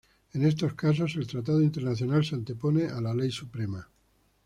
En estos casos, el tratado internacional se antepone a la ley suprema.